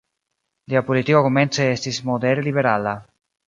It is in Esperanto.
Lia politiko komence estis modere liberala.